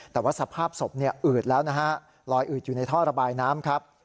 แต่ว่าสภาพศพอืดแล้วนะฮะลอยอืดอยู่ในท่อระบายน้ำครับ